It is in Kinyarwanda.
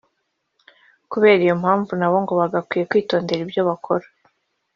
Kubera iyo mpamvu nabo ngo bagakwiye kwitondera ibyo bakora